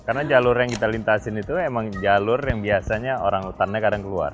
karena jalur yang kita lintasin itu emang jalur yang biasanya orang utannya kadang keluar